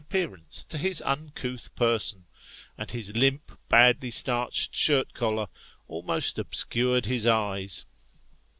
appearance to his uncouth person ; and his limp, badly starched shirt collar almost obscured his eyes.